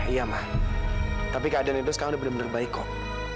iya mah tapi keadaan itu sekarang udah bener bener baik kok